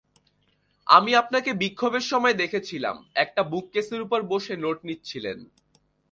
আমি আপনাকে বিক্ষোভের সময়ে দেখেছিলাম, একটা বুককেসের ওপর বসে নোট নিচ্ছিলেন।